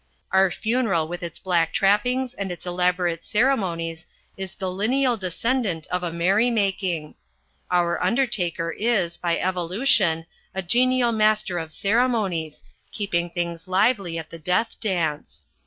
Our funeral with its black trappings and its elaborate ceremonies is the lineal descendant of a merry making. Our undertaker is, by evolution, a genial master of ceremonies, keeping things lively at the death dance.